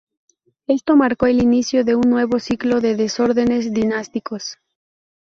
Esto marcó el inicio de un nuevo ciclo de desórdenes dinásticos.